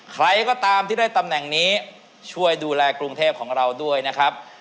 ใครก็ตามที่ได้ตำแหน่งนี้ช่วยดูแลกรุงเทพของเราด้วยนะครับ